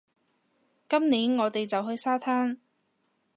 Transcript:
今年，我哋就去沙灘